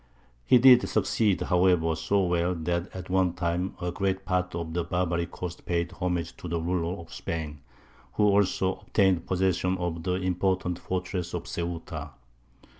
He did succeed, however, so well, that at one time a great part of the Barbary coast paid homage to the ruler of Spain, who also obtained possession of the important fortress of Ceuta.